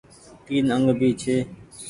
تين انگ ڀي ڇي۔